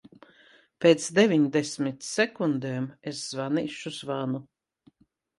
Pēc deviņdesmit sekundēm es zvanīšu zvanu.